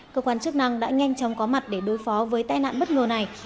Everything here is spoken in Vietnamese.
cơ quan chức năng đã nhanh chóng có mặt để đối phó với tai nạn bất ngờ này